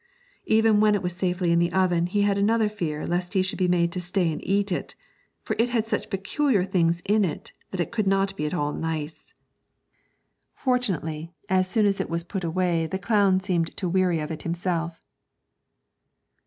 Even when it was safely in the oven he had another fear lest he should be made to stay and eat it, for it had such very peculiar things in it that it could not be at all nice. Fortunately, as soon as it was put away the clown seemed to weary of it himself.